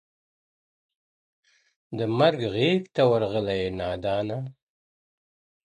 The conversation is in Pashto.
د مرګ غېږ ته ورغلی یې نادانه.!